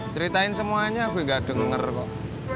ceritain semuanya aku gak denger kok